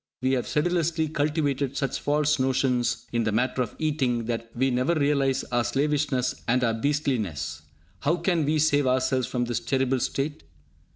We have sedulously cultivated such false notions in the matter of eating that we never realise our slavishness and our beastliness. How can we save ourselves from this terrible state?